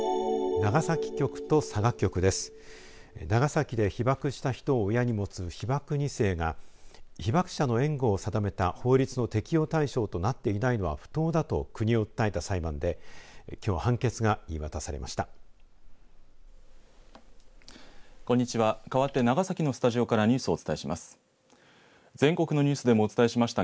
長崎で被爆した人を親に持つ被爆２世が被爆者の援護を定めた法律を適用対象となっていないのは不当だと国を訴えた裁判できょう判決が言い渡されました。